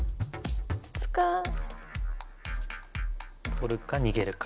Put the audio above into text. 取るか逃げるか。